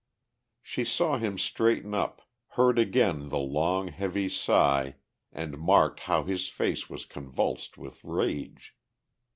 She saw him straighten up, heard again the long, heavy sigh and marked how his face was convulsed with rage.